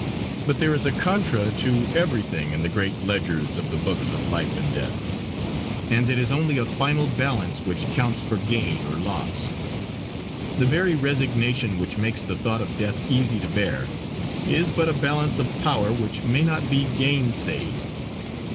But there is a contra to everything in the great ledgers of the Books of Life and Death, and it is only a final balance which counts for gain or loss. The very resignation which makes the thought of death easy to bear, is but a balance of power which may not be gainsayed.